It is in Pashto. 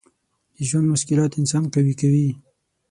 د ژوند مشکلات انسان قوي کوي.